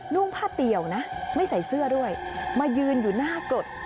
่งผ้าเตี่ยวนะไม่ใส่เสื้อด้วยมายืนอยู่หน้ากรด